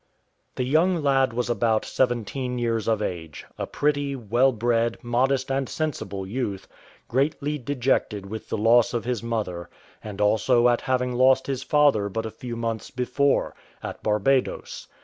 The young lad was about seventeen years of age, a pretty, well bred, modest, and sensible youth, greatly dejected with the loss of his mother, and also at having lost his father but a few months before, at Barbadoes.